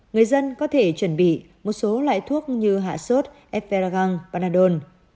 người dân có thể chuẩn bị một số loại thuốc như hạ sốt eferagang vanadol